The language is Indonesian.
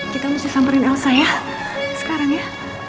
kita mesti samperin elsa ya sekarang ya